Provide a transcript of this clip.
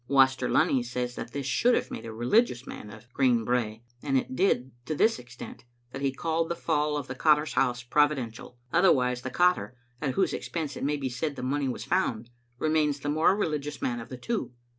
Waster Lunny says that this should have made a religious man of Green Brae, and it did to this extent, that he called the fall of the cotter's house providential. Otherwise the cotter, at whose expense it may be said the money was found, remains the more religious man of the two.